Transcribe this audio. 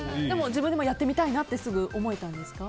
自分でもやってみたいなってすぐ思えたんですか？